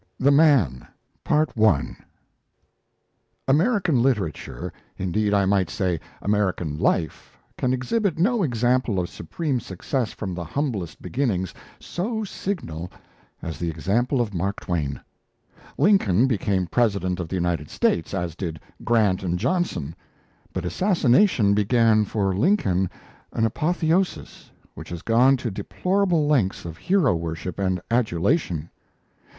The Nation, May 12, 1910. THE MAN American literature, indeed I might say American life, can exhibit no example of supreme success from the humblest beginnings, so signal as the example of Mark Twain. Lincoln became President of the United States, as did Grant and Johnson. But assassination began for Lincoln an apotheosis which has gone to deplorable lengths of hero worship and adulation.